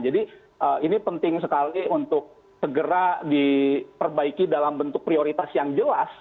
jadi ini penting sekali untuk segera diperbaiki dalam bentuk prioritas yang jelas